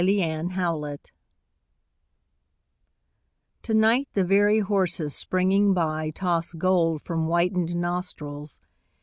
WINTER EVENING To night the very horses springing by Toss gold from whitened nostrils.